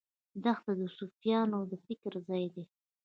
دښته د صوفیانو د فکر ځای دی.